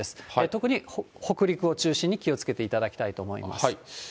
特に北陸を中心に気をつけていただきたいと思います。